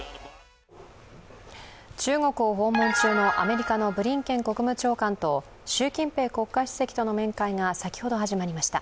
中国を訪問中のアメリカのブリンケン国務長官と習近平国家主席との面会が先ほど始まりました。